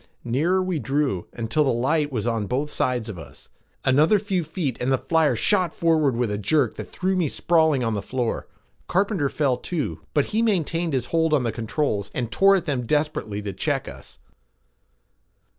Nearer we drew until the light was on both sides of us. Another few feet and the flyer shot forward with a jerk that threw me sprawling on the floor. Carpenter fell too, but he maintained his hold on the controls and tore at them desperately to check us.